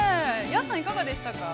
安さんいかがでしたか。